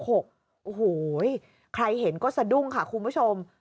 โอ้โหใครเห็นก็สะดุ้งค่ะคุณผู้ชม